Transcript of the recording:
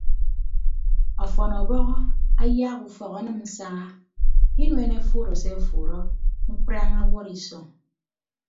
Ọfọn ọbọhọ ayaak ufọk enịm nsaha inuen ofuuro se ofuuro mkprañ ọwọd isọñ.